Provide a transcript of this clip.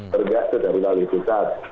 tergantung dari lalu susah